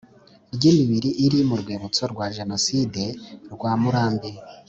ry imibiri iri mu rwibutso rwa Jenoside rwa Murambi